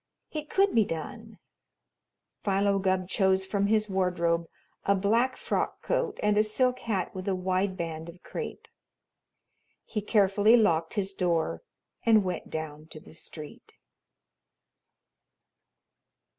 It could be done! Philo Gubb chose from his wardrobe a black frock coat and a silk hat with a wide band of crape. He carefully locked his door and went down to the street.